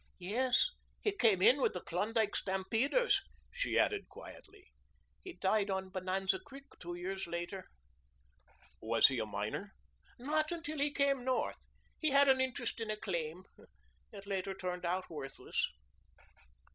"Yes. He came in with the Klondike stampeders." She added quietly: "He died on Bonanza Creek two years later." "Was he a miner?" "Not until he came North. He had an interest in a claim. It later turned out worthless."